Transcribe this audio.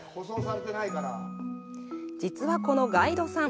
実はこのガイドさん